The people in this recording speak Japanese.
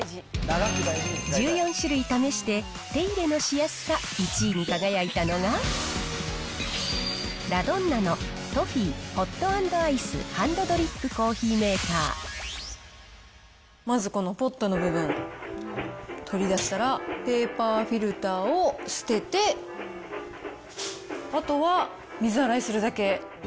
１４種類試して、手入れのしやすさ１位に輝いたのが、ラドンナのトフィーホット＆アイスハンドドリップコーヒーメーカまずこのポットの部分、取り出したら、ペーパーフィルターを捨てて、あとは水洗いするだけ。